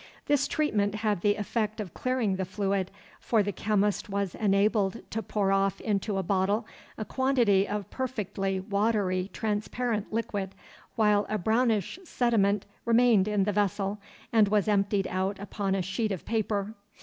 This treatment had the effect of clearing the fluid, for the chemist was enabled to pour off into a bottle a quantity of perfectly watery transparent liquid, while a brownish sediment remained in the vessel, and was emptied out upon a sheet of paper.